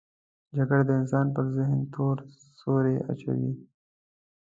جګړه د انسان پر ذهن تور سیوری اچوي